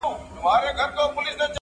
چي ګلاب وي غوړېدلی د سنځلي بوی لګیږي؛